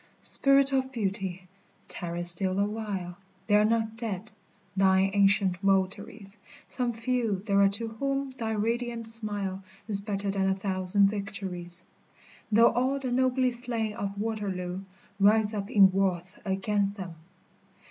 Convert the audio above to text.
Spirit of Beauty ! tarry still a while, They are not dead, thine ancient votaries, Some few there are to whom thy radiant smile Is better than a thousand victories, Though all the nobly slain of Waterloo Rise up in wrath against them